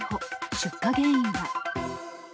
出火原因は？